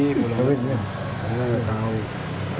kalau enggak karena gak tahu